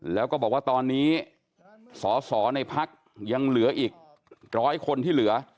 แล้วก็บอกว่าตอนนี้สอสอในพักยังเหลืออีก๑๐๐คนที่เหลือ